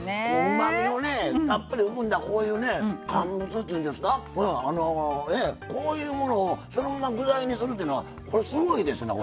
うまみをねたっぷり含んだこういうね乾物というんですかこういうものをそのまま具材にするというのはこれすごいですね